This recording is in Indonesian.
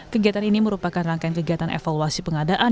kegiatan ini merupakan rangkaian kegiatan evaluasi pengadaan